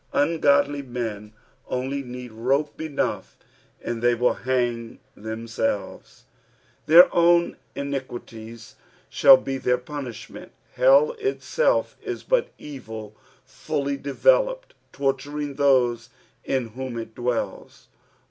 Un^dl; men onl; need rope enough and they will bang themaelves ; their own iniquities ahatl be theit punishD Lent. Hell itself ia but evil fully developed, torturing those in whom it dwells.